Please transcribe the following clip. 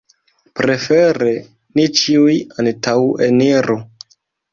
Prefere ni ĉiuj antaŭeniru.